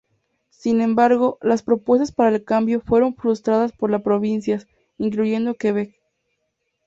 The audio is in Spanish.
Sin embargo, las propuestas para el cambio fueron frustradas por las provincias, incluyendo Quebec.